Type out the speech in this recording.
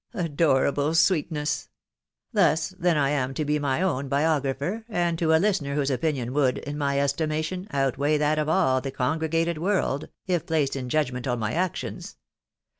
" Adorable sweetness !.... Thus, then, I am to be my own biographer, and to a listener whose opinion would, in my estimation, outweigh that of all the congregated world, if placed in judgment on my actions.